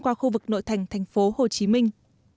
qua khu vực nội thành thành phố hồ chí minh